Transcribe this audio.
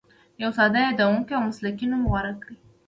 یو ساده، یادېدونکی او مسلکي نوم غوره کړه.